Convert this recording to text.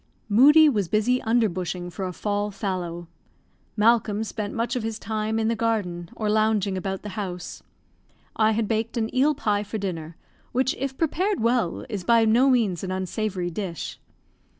Moodie was busy under bushing for a fall fallow. Malcolm spent much of his time in the garden, or lounging about the house. I had baked an eel pie for dinner, which if prepared well is by no means an unsavoury dish.